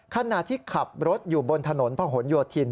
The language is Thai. ขณะที่ขับรถอยู่บนถนนพระหลโยธิน